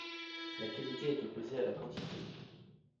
La qualité est opposée à la quantité.